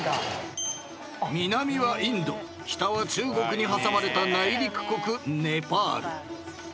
［南はインド北は中国に挟まれた内陸国ネパール］